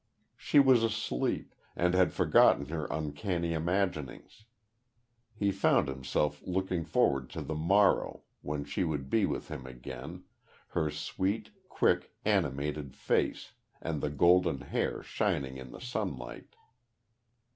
She was asleep, and had forgotten her uncanny imaginings. He found himself looking forward to the morrow when she would be with him again her sweet, quick, animated face, and the golden hair shining in the sunlight.